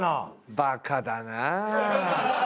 バカだなあ。